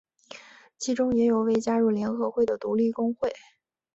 其中也有未加入联合会的独立工会。